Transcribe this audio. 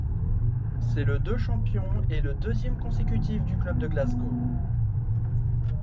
C’est le de champion et le deuxième consécutif du club de Glasgow.